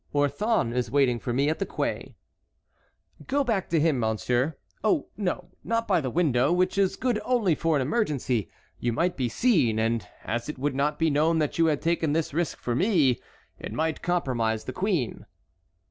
"Orthon is waiting for me at the quay." "Go back to him, monsieur. Oh, no, not by the window, which is good only for an emergency. You might be seen, and as it would not be known that you had taken this risk for me, it might compromise the queen."